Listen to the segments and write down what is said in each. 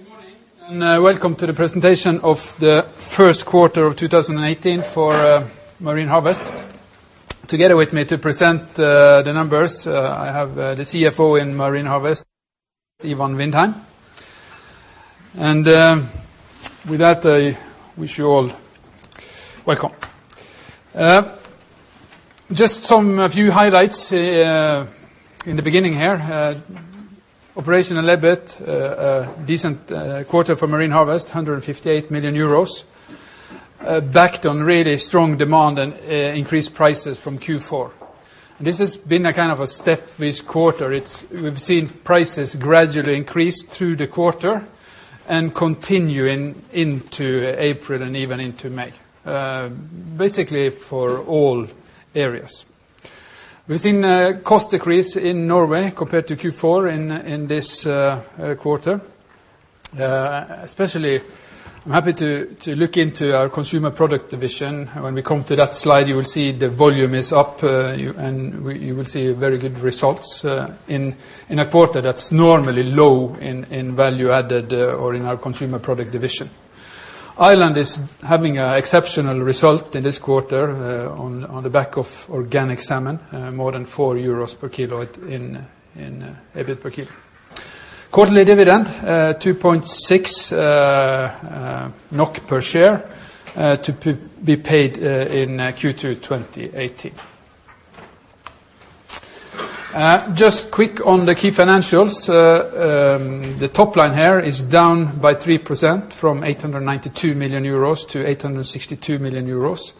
Good morning, welcome to the presentation of the first quarter of 2018 for Marine Harvest. Together with me to present the numbers, I have the CFO in Marine Harvest, Ivan Vindheim. With that, I wish you all welcome. Just some few highlights in the beginning here. Operational EBIT, a decent quarter for Marine Harvest, 158 million euros, backed on really strong demand and increased prices from Q4. This has been a kind of a step this quarter. We've seen prices gradually increase through the quarter and continue into April and even into May, basically for all areas. We've seen a cost decrease in Norway compared to Q4 in this quarter. Especially, I'm happy to look into our Consumer Products division. When we come to that slide, you will see the volume is up, and you will see very good results in a quarter that's normally low in value added or in our Consumer Products division. Ireland is having an exceptional result in this quarter on the back of organic salmon, more than 4 euros per kilo in EBIT per kilo. Quarterly dividend, 2.6 NOK per share to be paid in Q2 2018. Just quick on the key financials. The top line here is down by 3%, from 892 million euros - 862 million euros.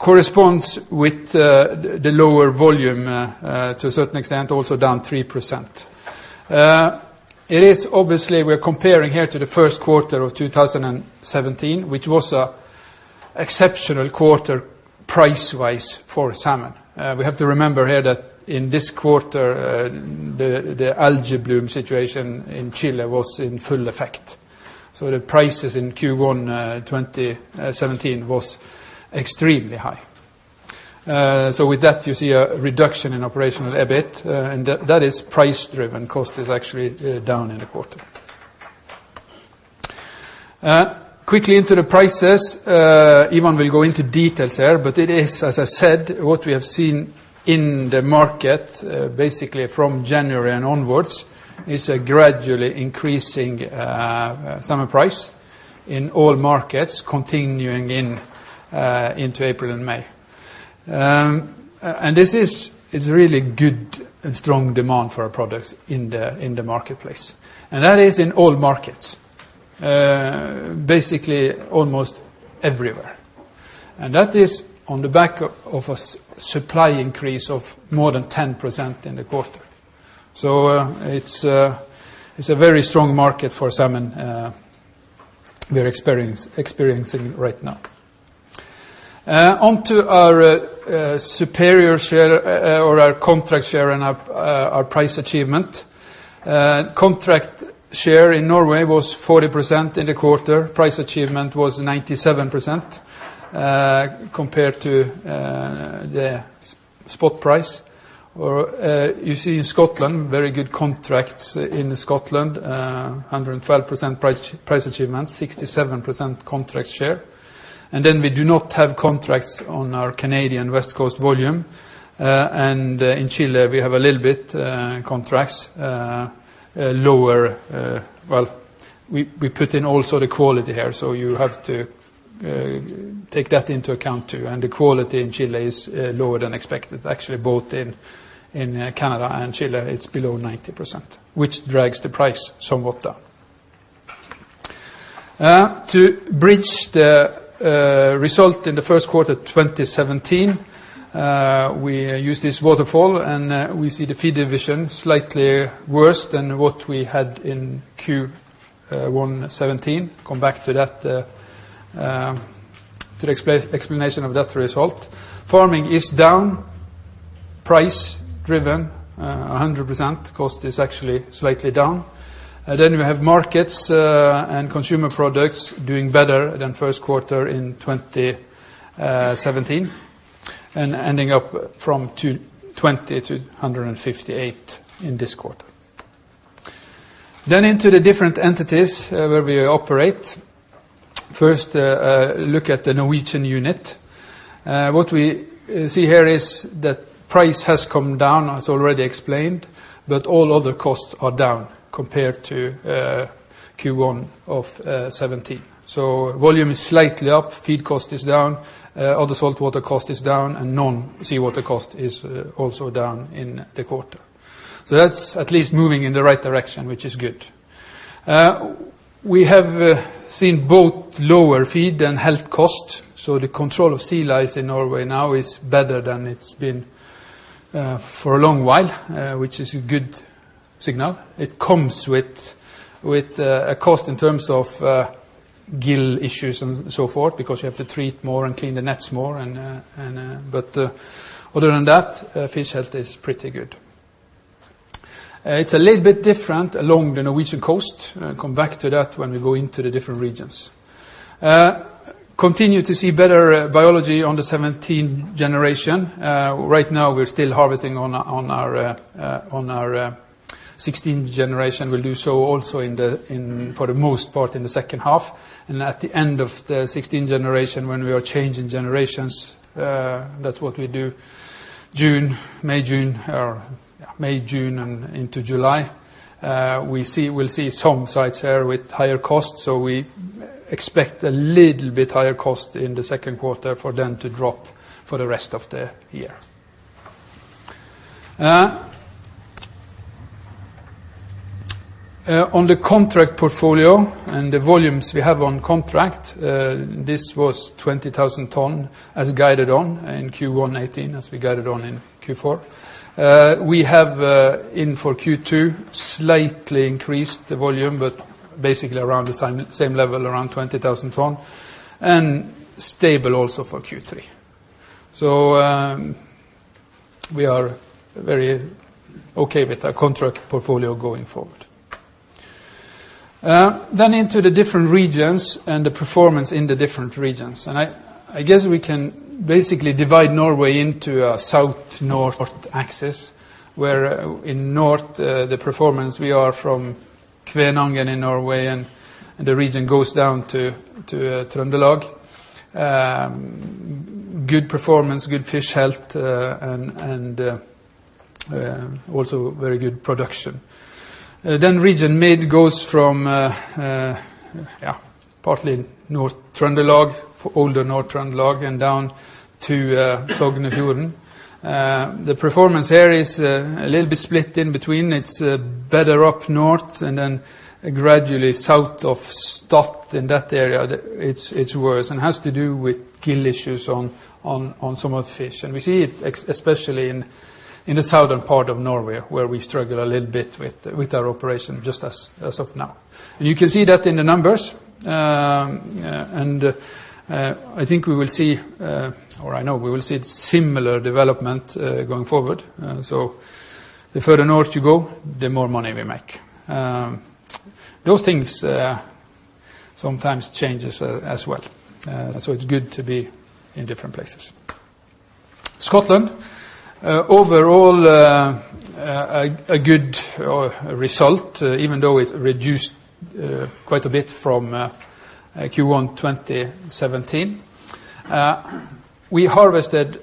Corresponds with the lower volume to a certain extent, also down 3%. Obviously, we are comparing here to the first quarter of 2017, which was an exceptional quarter price-wise for salmon. We have to remember here that in this quarter, the algae bloom situation in Chile was in full effect. The prices in Q1 2017 was extremely high. With that, you see a reduction in operational EBIT, and that is price-driven. Cost is actually down in the quarter. Quickly into the prices. Ivan will go into details there, but it is, as I said, what we have seen in the market, basically from January and onwards, is a gradually increasing salmon price in all markets continuing into April and May. This is really good and strong demand for our products in the marketplace. That is in all markets, basically almost everywhere. That is on the back of a supply increase of more than 10% in the quarter. It's a very strong market for salmon we're experiencing right now. On to our contract share and our price achievement. Contract share in Norway was 40% in the quarter. Price achievement was 97%, compared to the spot price. You see in Scotland, very good contracts in Scotland, 112% price achievement, 67% contract share. We do not have contracts on our Canadian West Coast volume. In Chile, we have a little bit contracts. We put in also the quality here, so you have to take that into account, too. The quality in Chile is lower than expected. Actually, both in Canada and Chile, it's below 90%, which drags the price somewhat down. To bridge the result in the first quarter 2017, we use this waterfall, and we see the feed division slightly worse than what we had in Q1 2017. Come back to the explanation of that result. Farming is down, price-driven, 100%. Cost is actually slightly down. We have Consumer Products doing better than first quarter in 2017 and ending up from 20 - 158 in this quarter. Into the different entities where we operate. First, look at the Norwegian unit. What we see here is that price has come down, as already explained, but all other costs are down compared to Q1 of 2017. Volume is slightly up, feed cost is down, other saltwater cost is down, and non-seawater cost is also down in the quarter. That's at least moving in the right direction, which is good. We have seen both lower feed and health costs, so the control of sea lice in Norway now is better than it's been for a long while, which is a good signal. It comes with a cost in terms of gill issues and so forth because you have to treat more and clean the nets more. Other than that, fish health is pretty good. It's a little bit different along the Norwegian coast. Come back to that when we go into the different regions. Continue to see better biology on the 17th generation. Right now we're still harvesting on our 16th generation. We'll do so also, for the most part, in the second half. At the end of the 16th generation when we are changing generations, that's what we do May, June, and into July. We'll see some sites here with higher costs. We expect a little bit higher cost in the second quarter for them to drop for the rest of the year. On the contract portfolio and the volumes we have on contract, this was 20,000 tons as guided on in Q1 2018, as we guided on in Q4. We have, in for Q2, slightly increased the volume, but basically around the same level, around 20,000 tons, and stable also for Q3. We are very okay with our contract portfolio going forward. Into the different regions and the performance in the different regions. I guess we can basically divide Norway into a south-north axis, where in north, the performance, we are from Kvænangen in Norway and the region goes down to Trøndelag. Good performance, good fish health, and also very good production. Region mid goes from partly older Nord-Trøndelag and down to Sognefjorden. The performance here is a little bit split in between. It's better up north and then gradually south of Stadt. In that area, it's worse and has to do with gill issues on some of the fish. We see it especially in the southern part of Norway where we struggle a little bit with our operation just as of now. You can see that in the numbers. I think we will see, or I know we will see similar development going forward. The further north you go, the more money we make. Those things sometimes changes as well. It's good to be in different places. Scotland. Overall, a good result, even though it's reduced quite a bit from Q1 2017. We harvested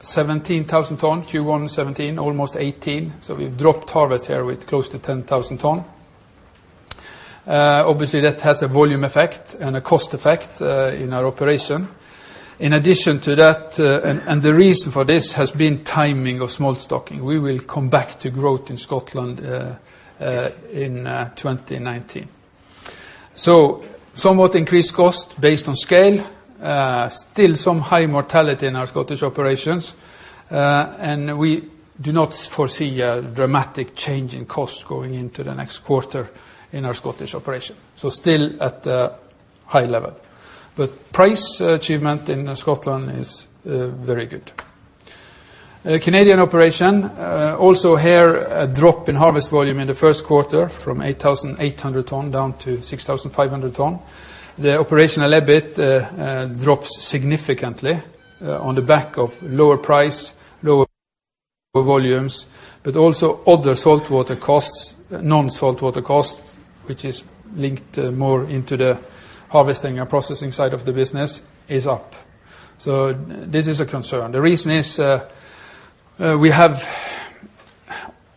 17,000 tons Q1 2017, almost 18,000. We've dropped harvest here with close to 10,000 tons. Obviously, that has a volume effect and a cost effect in our operation. In addition to that, and the reason for this has been timing of smolt stocking. We will come back to growth in Scotland in 2019. Somewhat increased cost based on scale. Still some high mortality in our Scottish operations. We do not foresee a dramatic change in cost going into the next quarter in our Scottish operation. Still at a high level. Price achievement in Scotland is very good. Canadian operation, also here, a drop in harvest volume in the first quarter from 8,800 tons down to 6,500 tons. The operational EBIT drops significantly on the back of lower price, lower volumes, but also other non-saltwater costs, which is linked more into the harvesting and processing side of the business, is up. This is a concern. The reason is, we have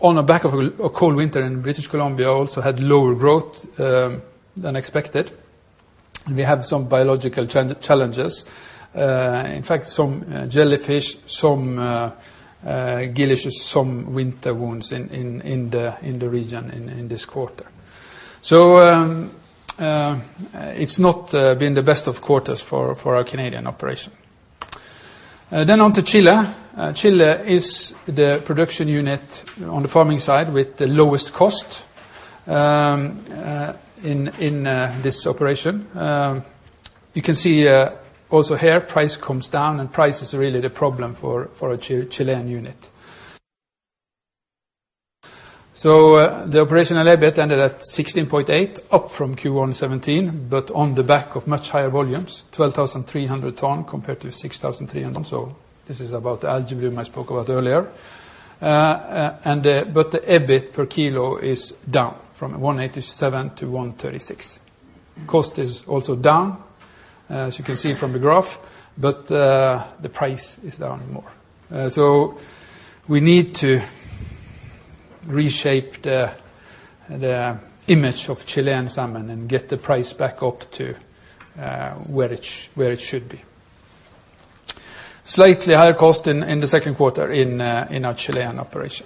on the back of a cold winter in British Columbia, also had lower growth than expected. We had some biological challenges. In fact, some jellyfish, some gill issues, some winter wounds in the region in this quarter. It's not been the best of quarters for our Canadian operation. On to Chile. Chile is the production unit on the farming side with the lowest cost in this operation. You can see also here price comes down and price is really the problem for our Chilean unit. The operational EBIT ended at 16.8, up from Q1 2017, but on the back of much higher volumes, 12,300 tons compared to 6,300 tons. This is about the algebra I spoke about earlier. The EBIT per kilo is down from 187 to 136. Cost is also down, as you can see from the graph. The price is down more. We need to reshape the image of Chilean salmon and get the price back up to where it should be. Slightly higher cost in the second quarter in our Chilean operation.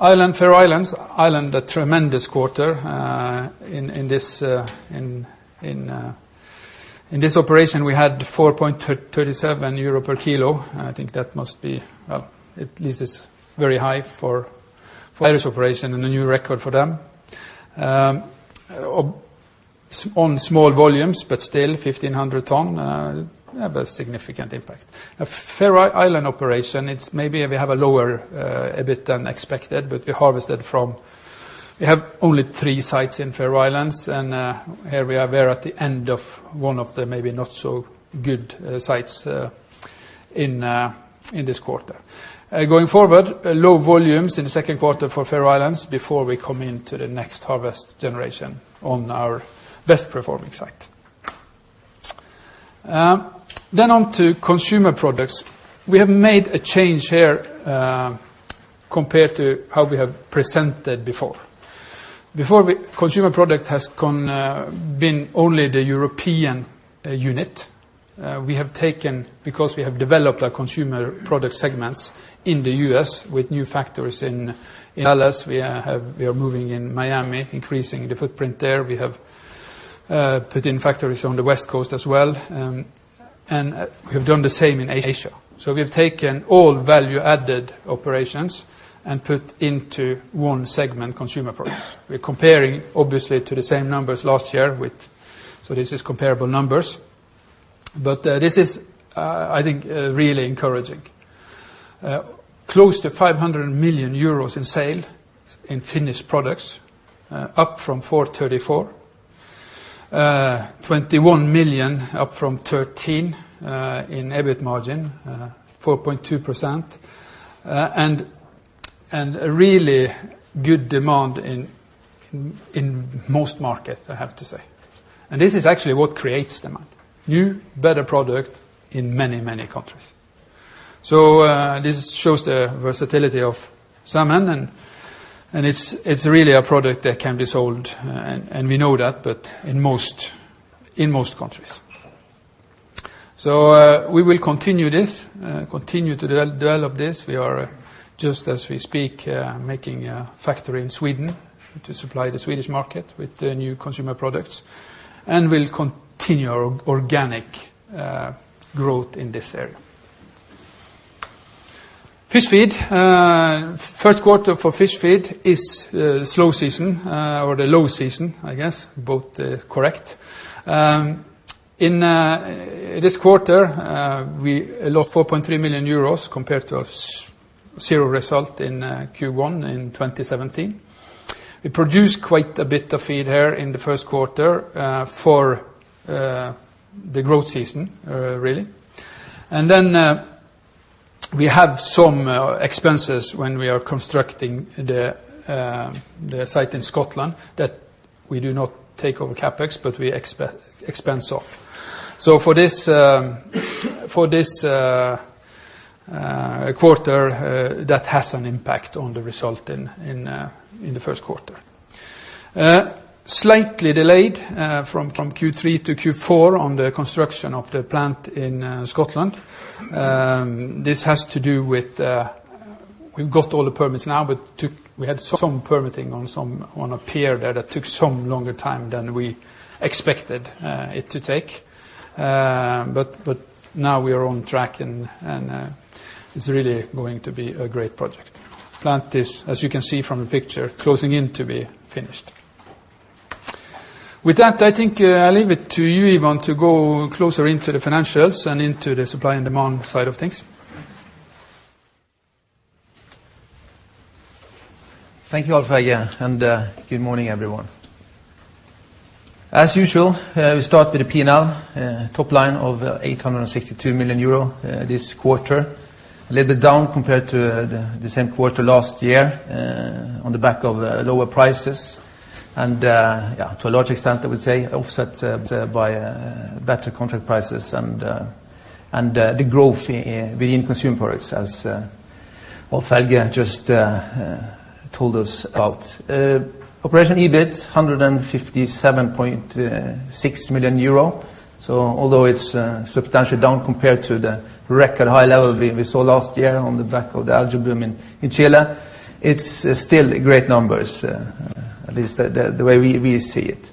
Ireland, Faroe Islands. Ireland, a tremendous quarter. In this operation, we had 4.37 euro per kilo. I think that must be at least it's very high for this operation and a new record for them. On small volumes, but still 1,500 tons have a significant impact. Faroe Island operation, it's maybe we have a lower EBIT than expected, but we harvested. We have only three sites in Faroe Islands, and here we are, we're at the end of one of the maybe not so good sites in this quarter. Going forward, low volumes in the second quarter for Faroe Islands before we come into the next harvest generation on our best-performing site. On to Consumer Products. We have made a change here compared to how we have presented before. Before, Consumer Products has been only the European unit. We have taken, because we have developed our Consumer Products segments in the U.S. with new factories in Dallas. We are moving in Miami, increasing the footprint there. We have put in factories on the West Coast as well, and we have done the same in Asia. We have taken all value-added operations and put into one segment, Consumer Products. We're comparing, obviously, to the same numbers last year with, this is comparable numbers. This is, I think, really encouraging. Close to 500 million euros in sale in finished products, up from 434 million. 21 million up from 13 in EBIT margin, 4.2%. A really good demand in most markets, I have to say. This is actually what creates demand. New, better product in many, many countries. This shows the versatility of salmon and it's really a product that can be sold, and we know that, but in most countries. We will continue this, continue to develop this. We are just as we speak, making a factory in Sweden to supply the Swedish market with the new Consumer Products, and we'll continue our organic growth in this area. fish feed. First quarter for fish feed is slow season, or the low season, I guess, both are correct. In this quarter, we lost 4.3 million compared to zero result in Q1 in 2017. We produced quite a bit of feed here in the first quarter, for the growth season, really. We have some expenses when we are constructing the site in Scotland that we do not take over CapEx, but we expense off. For this quarter, that has an impact on the result in the first quarter. Slightly delayed, from Q3 - Q4 on the construction of the plant in Scotland. This has to do with, we've got all the permits now, but we had some permitting on a pier there that took some longer time than we expected it to take. Now we are on track and it's really going to be a great project. Plant is, as you can see from the picture, closing in to be finished. With that, I think I leave it to you, Ivan, to go closer into the financials and into the supply and demand side of things. Thank you, Alf-Helge Aarskog, and good morning, everyone. As usual, we start with the P&L top line of 862 million euro this quarter. A little bit down compared to the same quarter last year, on the back of lower prices and to a large extent, I would say, offset by better contract prices and the growth within Consumer Products as Alf-Helge Aarskog just told us about. Operational EBIT, 157.6 million euro. Although it's substantially down compared to the record high level we saw last year on the back of the algae bloom in Chile, it's still great numbers, at least the way we see it.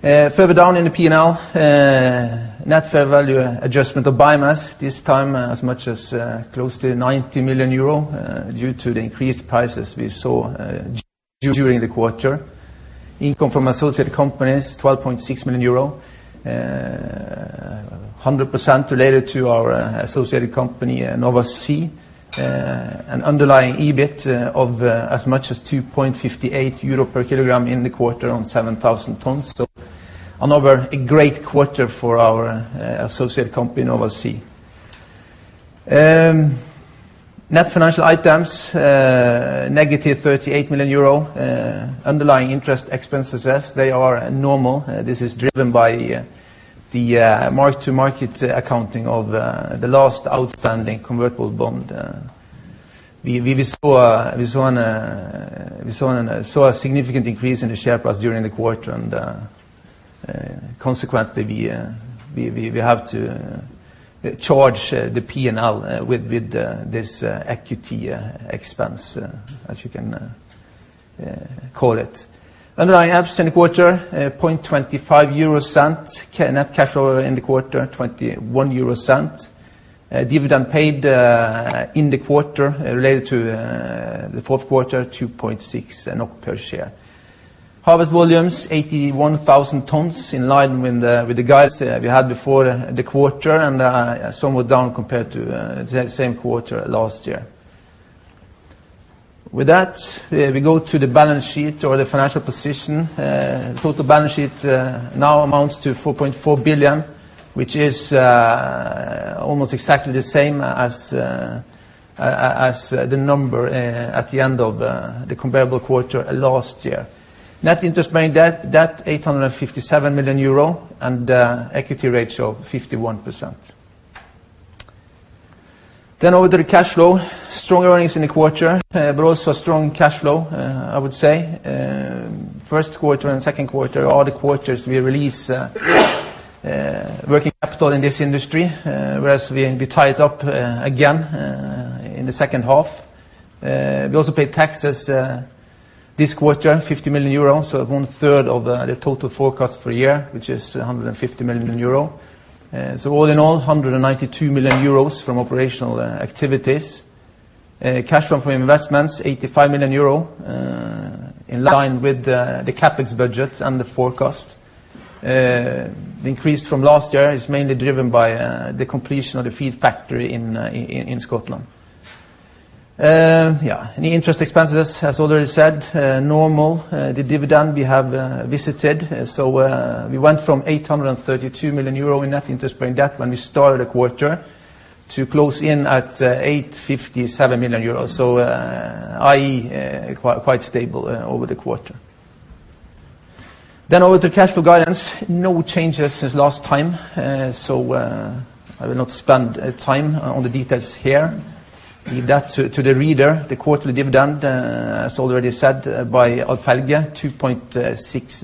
Further down in the P&L, net fair value adjustment of biomass, this time as much as close to 90 million euro due to the increased prices we saw during the quarter. Income from associated companies, 12.6 million euro, 100% related to our associated company, Nova Sea. An underlying EBIT of as much as 2.58 euro per kilogram in the quarter on 7,000 tonnes. Another great quarter for our associate company, Nova Sea. Net financial items, negative 38 million euro. Underlying interest expenses, as they are normal. This is driven by the mark-to-market accounting of the last outstanding convertible bond. We saw a significant increase in the share price during the quarter, and consequently, we have to charge the P&L with this equity expense, as you can call it. Underlying EPS in the quarter, EUR 0.25. Net cash flow in the quarter, 21 euro. Dividend paid in the quarter related to the fourth quarter, 2.6 per share. Harvest volumes 81,000 tonnes, in line with the guides we had before the quarter and somewhat down compared to the same quarter last year. We go to the balance sheet or the financial position. Total balance sheet now amounts to 4.4 billion, which is almost exactly the same as the number at the end of the comparable quarter last year. Net interest-bearing debt, 857 million euro and equity ratio of 51%. Over to the cash flow. Strong earnings in the quarter, also a strong cash flow, I would say. First quarter and second quarter, all the quarters we release working capital in this industry, whereas we tie it up again in the second half. We also paid taxes this quarter, 50 million euro, one third of the total forecast for the year, which is 150 million euro. All in all, 192 million euros from operational activities. Cash from investments, 85 million euro, in line with the CapEx budget and the forecast. The increase from last year is mainly driven by the completion of the feed factory in Scotland. The interest expenses, as already said, normal. The dividend we have visited. We went from 832 million euro in net interest-bearing debt when we started the quarter to close in at 857 million euros. IE, quite stable over the quarter. Over to cash flow guidance. No changes since last time, so I will not spend time on the details here. Leave that to the reader. The quarterly dividend, as already said by Alf-Helge Aarskog,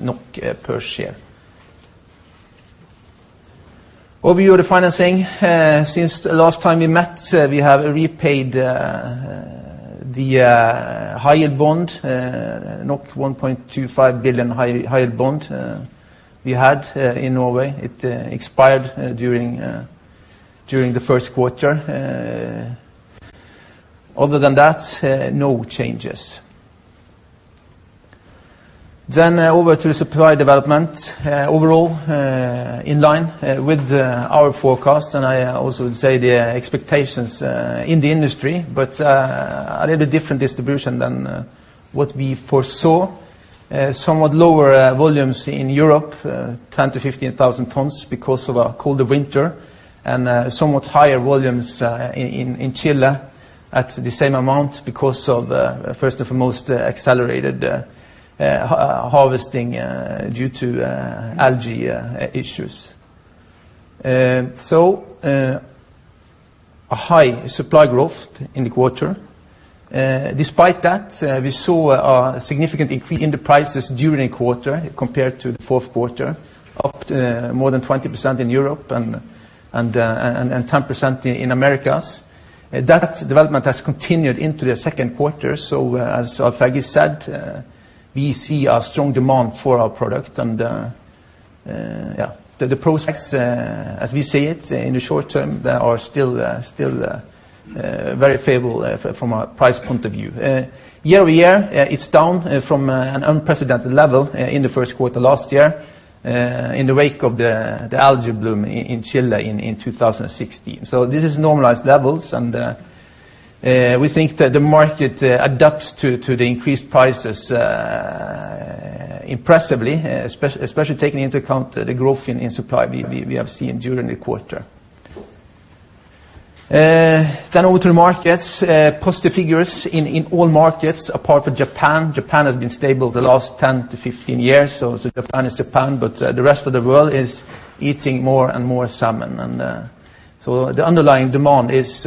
NOK 2.6 per share. Overview of the financing. Since the last time we met, we have repaid the high-yield bond, 1.25 billion high-yield bond we had in Norway. It expired during the first quarter. Other than that, no changes. Over to the supply development. Overall, in line with our forecast, and I also would say the expectations in the industry, but a little different distribution than what we foresaw. Somewhat lower volumes in Europe, 10,000-15,000 tonnes because of a colder winter, and somewhat higher volumes in Chile at the same amount because of, first and foremost, accelerated harvesting due to algae issues. A high supply growth in the quarter. Despite that, we saw a significant increase in the prices during the quarter compared to the fourth quarter, up more than 20% in Europe and 10% in Americas. That development has continued into the second quarter. As Alf-Helge Aarskog said, we see a strong demand for our product and, yeah, the prospects, as we see it in the short term, are still very favorable from a price point of view. Year-over-year, it's down from an unprecedented level in the first quarter last year, in the wake of the algae bloom in Chile in 2016. This is normalized levels, and we think that the market adapts to the increased prices impressively, especially taking into account the growth in supply we have seen during the quarter. Over to the markets. Positive figures in all markets apart from Japan. Japan has been stable the last 10-15 years, so Japan is Japan, but the rest of the world is eating more and more salmon. The underlying demand is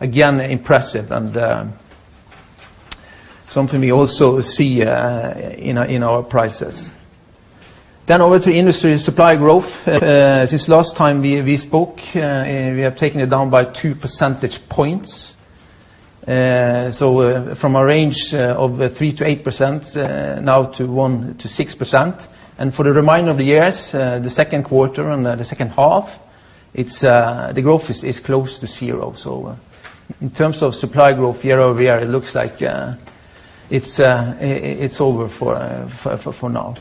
again impressive and something we also see in our prices. Over to industry supply growth. Since last time we spoke, we have taken it down by 2 percentage points. From a range of 3%-8%, now to 1%-6%. For the remainder of the years, the second quarter and the second half, the growth is close to zero. In terms of supply growth year-over-year, it looks like it's over for now.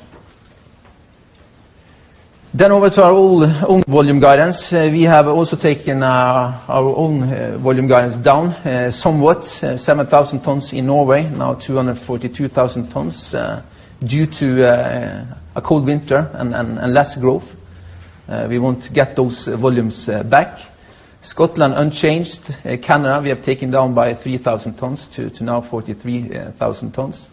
Over to our own volume guidance. We have also taken our own volume guidance down somewhat, 7,000 tonnes in Norway, now 242,000 tonnes, due to a cold winter and less growth. We want to get those volumes back. Scotland unchanged. Canada, we have taken down by 3,000 tonnes to now 43,000 tonnes.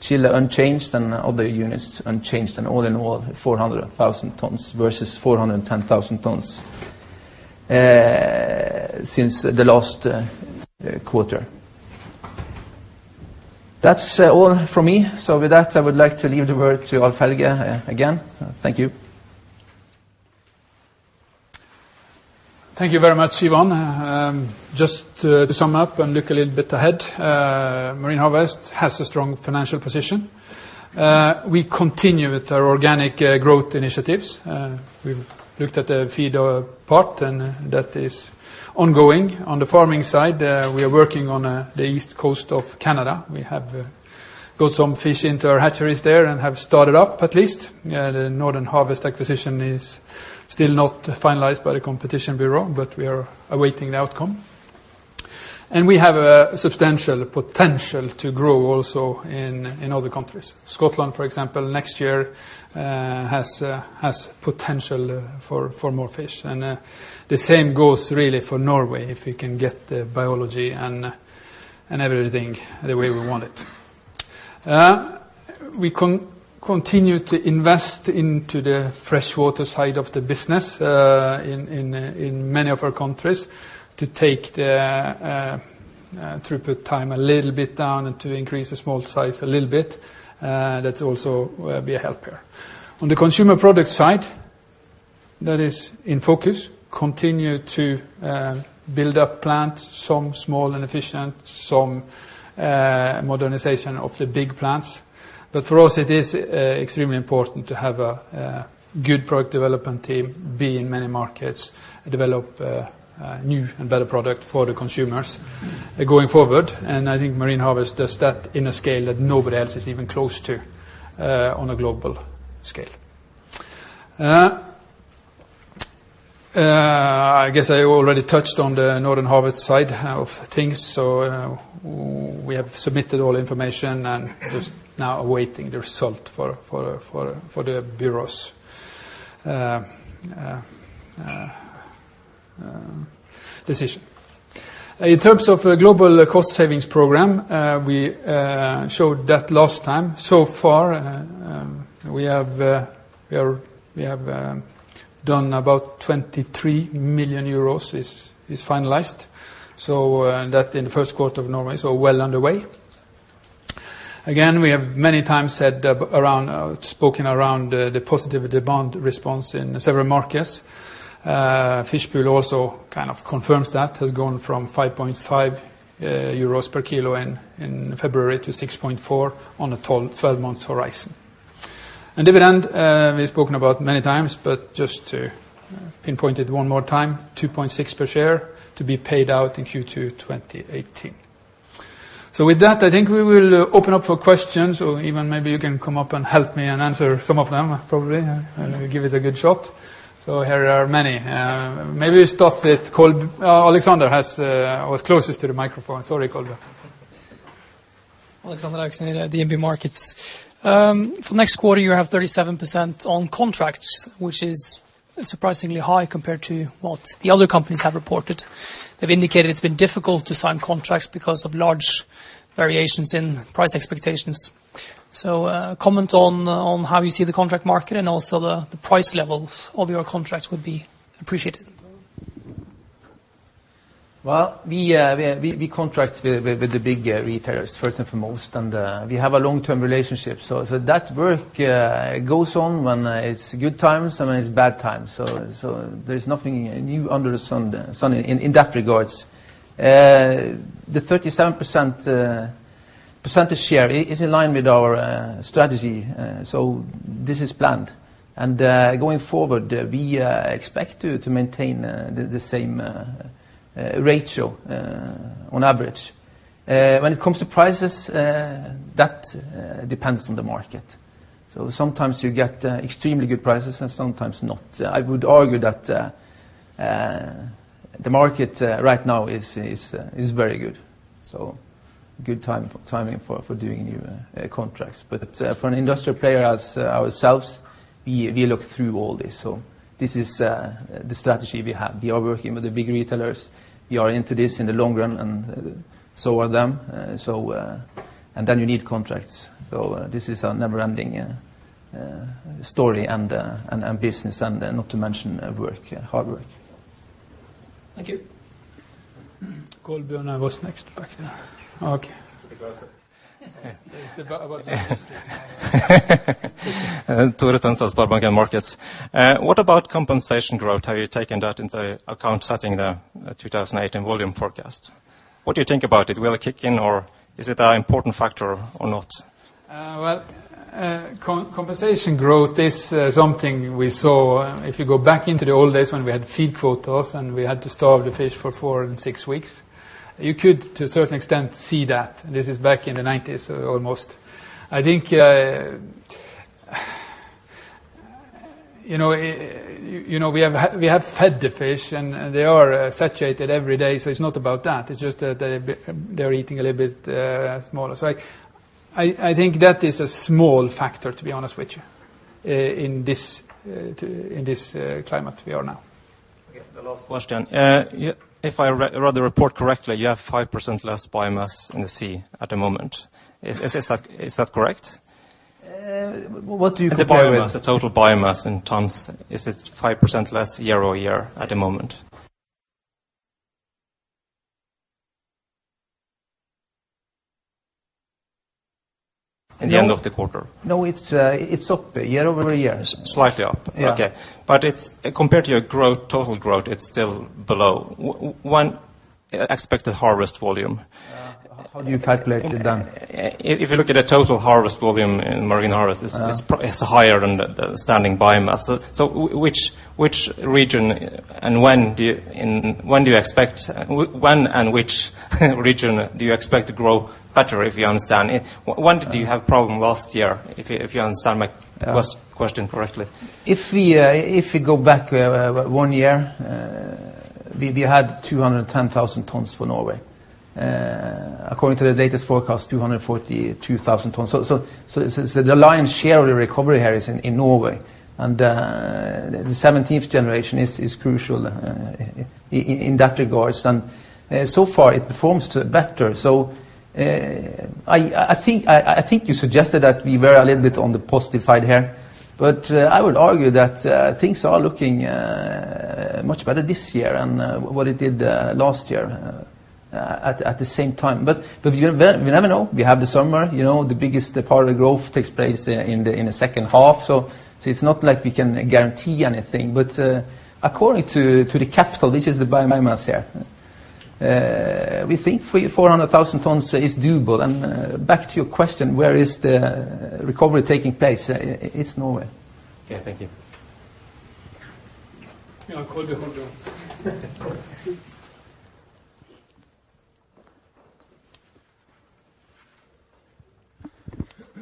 Chile unchanged, and other units unchanged. All in all, 400,000 tonnes versus 410,000 tonnes since the last quarter. That's all from me. With that, I would like to leave the word to Alf-Helge Aarskog again. Thank you. Thank you very much, Ivan Vindheim. Just to sum up and look a little bit ahead. Marine Harvest has a strong financial position. We continue with our organic growth initiatives. We've looked at the feed part, and that is ongoing on the farming side, we are working on the east coast of Canada. We have got some fish into our hatcheries there and have started up at least. The Northern Harvest acquisition is still not finalized by the Competition Bureau Canada, but we are awaiting the outcome. We have a substantial potential to grow also in other countries. Scotland, for example, next year has potential for more fish. The same goes really for Norway, if we can get the biology and everything the way we want it. We continue to invest into the freshwater side of the business in many of our countries to take the throughput time a little bit down and to increase the smolt size a little bit. That's also be a help here. On the Consumer Products side, that is in focus, continue to build up plant, some small and efficient, some modernization of the big plants. For us, it is extremely important to have a good product development team, be in many markets, develop new and better product for the consumers going forward. I think Marine Harvest does that in a scale that nobody else is even close to on a global scale. I guess I already touched on the Northern Harvest side of things. We have submitted all information and just now awaiting the result for the Bureau's decision. In terms of global cost savings program, we showed that last time. So far, we have done about 23 million euros is finalized. That in the first quarter of Norway, so well underway. Again, we have many times spoken around the positive demand response in several markets. Fish Pool also kind of confirms that, has gone from 5.5 euros per kilo in February to 6.4 on a 12-month horizon. Dividend, we've spoken about many times, but just to pinpoint it one more time, 2.6 per share to be paid out in Q2 2018. With that, I think we will open up for questions or even maybe you can come up and help me and answer some of them, probably. Give it a good shot. Here are many. Maybe we start with Kolbjørn. Alexander was closest to the microphone. Sorry, Kolbjørn. Alexander Aukner at DNB Markets. For next quarter, you have 37% on contracts, which is surprisingly high compared to what the other companies have reported. They've indicated it's been difficult to sign contracts because of large variations in price expectations. A comment on how you see the contract market and also the price levels of your contracts would be appreciated. Well, we contract with the big retailers first and foremost. We have a long-term relationship. That work goes on when it's good times and when it's bad times. There's nothing new under the sun in that regard. The 37% share is in line with our strategy. This is planned. Going forward, we expect to maintain the same ratio on average. When it comes to prices, that depends on the market. Sometimes you get extremely good prices and sometimes not. I would argue that the market right now is very good. Good timing for doing new contracts. For an industrial player as ourselves, we look through all this. This is the strategy we have. We are working with the big retailers. We are into this in the long run, and so are them. You need contracts. This is a never-ending story and business and not to mention work, hard work. Thank you. Kolbjørn was next back there. Okay. Tore Tønseth, SpareBank Markets. What about compensatory growth? Have you taken that into account setting the 2018 volume forecast? What do you think about it? Will it kick in or is it an important factor or not? Compensatory growth is something we saw. If you go back into the old days when we had feed quotas and we had to starve the fish for 4 and 6 weeks, you could, to a certain extent, see that. This is back in the 1990s almost. I think we have fed the fish, and they are satiated every day, so it's not about that. It's just that they're eating a little bit smaller. I think that is a small factor, to be honest with you, in this climate we are now. Okay, the last question. If I read the report correctly, you have 5% less biomass in the sea at the moment. Is that correct? What do you compare with? The biomass, the total biomass in tons. Is it 5% less year-over-year at the moment? At the end of the quarter. No, it's up year-over-year. Slightly up. Yeah. Okay. Compared to your total growth, it's still below 1 expected harvest volume. How do you calculate it then? If you look at the total harvest volume in Marine Harvest, it's higher than the standing biomass. Which region and when do you expect to grow better, if you understand? When did you have problem last year, if you understand my first question correctly? If you go back 1 year, we had 210,000 tons for Norway. According to the latest forecast, 242,000 tons. The lion's share of the recovery here is in Norway, and the 17th generation is crucial in that regards. So far it performs better. I think you suggested that we were a little bit on the positive side here, but I would argue that things are looking much better this year than what it did last year at the same time. You never know. We have the summer, the biggest part of the growth takes place in the second half, so it's not like we can guarantee anything. According to the capital, which is the biomass here, we think 400,000 tons is doable. Back to your question, where is the recovery taking place? It's Norway. Okay. Thank you. Yeah.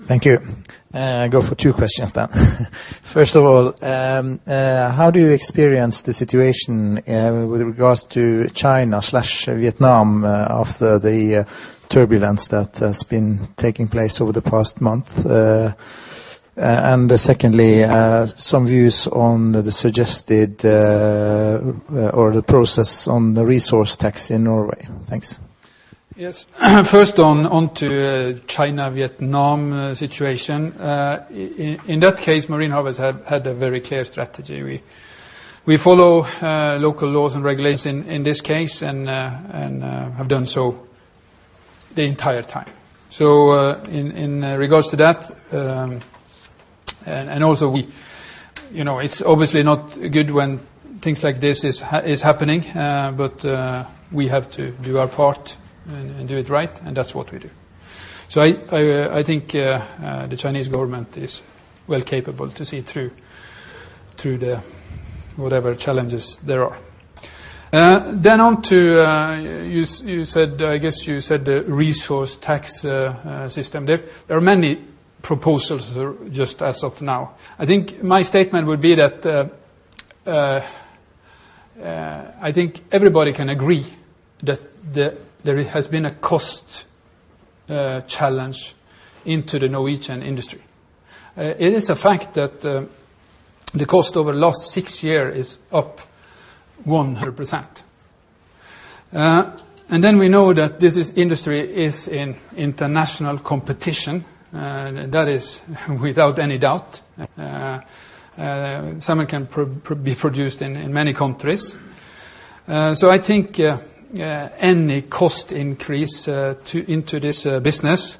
Thank you. I go for 2 questions then. First of all, how do you experience the situation with regards to China/Vietnam after the turbulence that has been taking place over the past month? Secondly, some views on the suggested or the process on the resource tax in Norway. Thanks. Yes. First on to China/Vietnam situation. In that case, Marine Harvest had a very clear strategy. We follow local laws and regulations in this case and have done so the entire time. In regards to that, and also it's obviously not good when things like this is happening, but we have to do our part and do it right, and that's what we do. I think the Chinese government is well capable to see through the whatever challenges there are. On to, I guess you said the resource tax system there. There are many proposals just as of now. I think my statement would be that I think everybody can agree that there has been a cost challenge into the Norwegian industry. It is a fact that the cost over last 6 year is up 100%. Then we know that this industry is in international competition, and that is without any doubt. Salmon can be produced in many countries. I think any cost increase into this business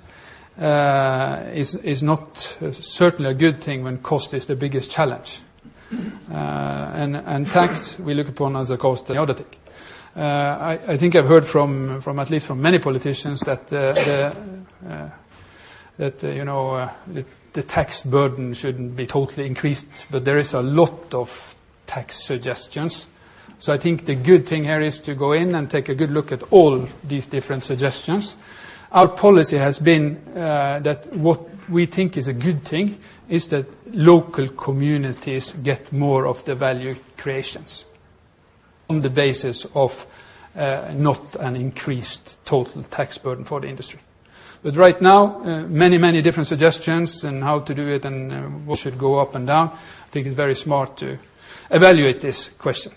is not certainly a good thing when cost is the biggest challenge. Tax we look upon as a cost. I think I've heard at least from many politicians that the tax burden shouldn't be totally increased, but there is a lot of tax suggestions. I think the good thing here is to go in and take a good look at all these different suggestions. Our policy has been that what we think is a good thing is that local communities get more of the value creations on the basis of not an increased total tax burden for the industry. Right now, many different suggestions on how to do it and what should go up and down. I think it is very smart to evaluate this question.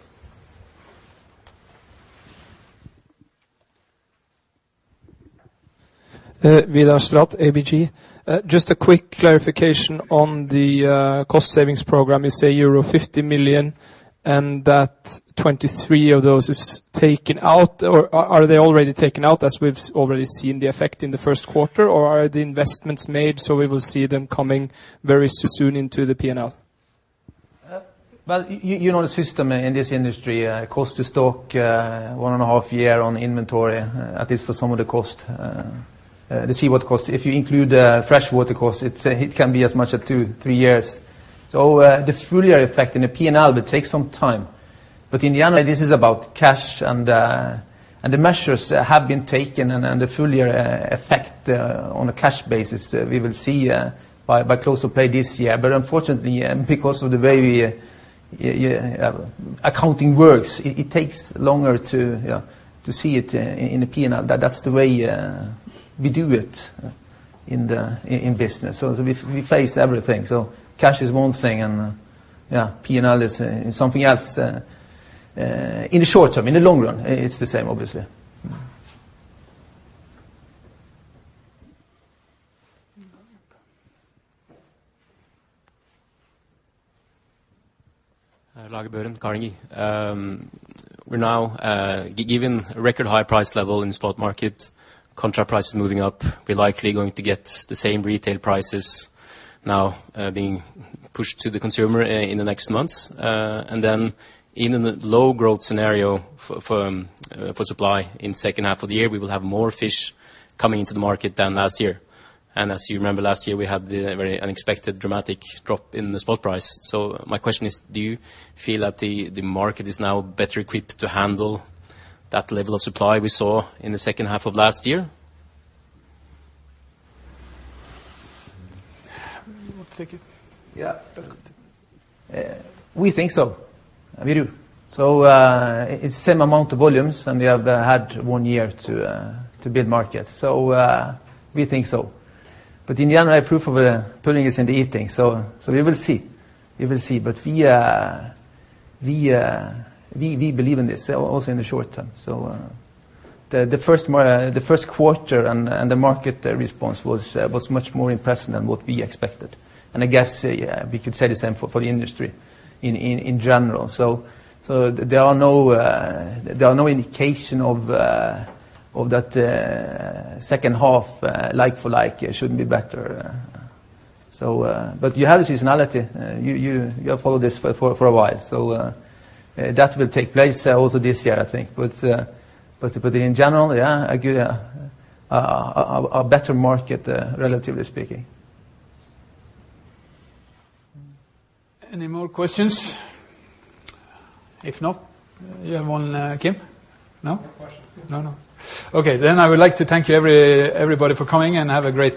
Just a quick clarification on the cost savings program. You say euro 50 million and that 23 of those is taken out, or are they already taken out as we've already seen the effect in the first quarter? Are the investments made, so we will see them coming very soon into the P&L? Well, you know the system in this industry. Cost to stock, one and a half year on inventory, at least for some of the cost. The seaward cost, if you include freshwater cost, it can be as much as 2, 3 years. The full year effect in the P&L will take some time. In the end, this is about cash, and the measures have been taken and the full year effect on a cash basis, we will see by close of play this year. Unfortunately, because of the way accounting works, it takes longer to see it in the P&L. That's the way we do it in business. We face everything. Cash is one thing, and yeah, P&L is something else, in the short term. In the long run, it's the same, obviously. Lage Børen, Carnegie. We're now given record high price level in the spot market, contract prices moving up. We're likely going to get the same retail prices now being pushed to the consumer in the next months. Even the low growth scenario for supply in 2nd half of the year, we will have more fish coming into the market than last year. As you remember, last year, we had the very unexpected dramatic drop in the spot price. My question is, do you feel that the market is now better equipped to handle that level of supply we saw in the 2nd half of last year? You want to take it? Yeah. We think so. We do. It's same amount of volumes, and we have had 1 year to build markets. We think so. In the end, the proof of the pudding is in the eating. We will see. We believe in this also in the short term. The 1st quarter and the market response was much more impressive than what we expected. I guess we could say the same for the industry in general. There are no indication of that 2nd half like for like. It should be better. You have the seasonality. You have followed this for a while. That will take place also this year, I think. In general, yeah, a better market, relatively speaking. Any more questions? If not, you have one, Kim? No? No questions. No. Okay. I would like to thank you, everybody, for coming, and have a great day.